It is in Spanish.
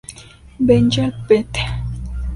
Bengal, Pt.